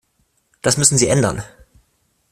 Das müssen Sie ändern.